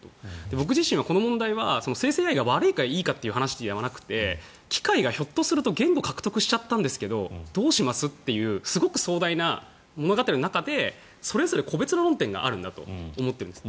僕自身はこの問題は生成ＡＩいいか悪いかという話ではなくて機械がひょっとすると言語獲得しちゃったんですけどどうします？というすごく壮大な世界の中でそれぞれ個別の論点があるんだと思います。